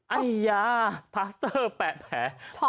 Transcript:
ไอ้ยาพาสเตอร์แปะแผล